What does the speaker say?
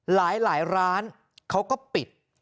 หลายร้านเขาก็ปิด